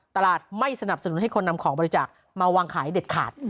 ตลาดไม่สนับสนุนให้คนนำของบริจาคมาวางขายเด็ดขาด